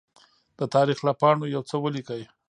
د تاریخ له پاڼو يوڅه ولیکئ!